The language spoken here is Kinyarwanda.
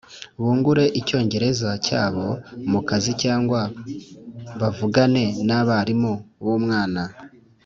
bungure Icyongereza cyabo mu kazi cyangwa bavugane n abarimu b umwana